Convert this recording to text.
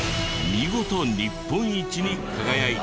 見事日本一に輝いた。